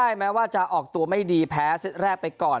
แม้ว่าจะออกตัวไม่ดีแพ้เซตแรกไปก่อน